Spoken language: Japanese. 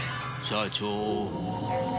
社長。